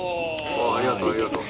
ありがとうありがとう！